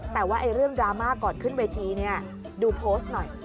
แต่ว่าเรื่องดราม่าก่อนขึ้นเวทีเนี่ยดูโพสต์หน่อย